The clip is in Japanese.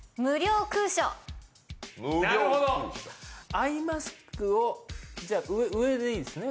アイマスクをじゃあ上でいいですね？